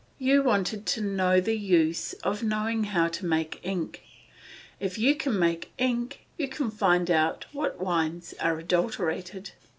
You wanted to know the use of knowing how to make ink. If you can make ink you can find out what wines are adulterated."